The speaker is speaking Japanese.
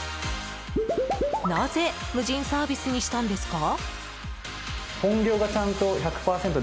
なぜ、無人サービスにしたんですか？